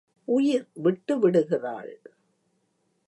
உயிர் விட்டு விடுகிறாள்.